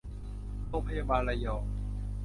โรงพยาบาลระยอง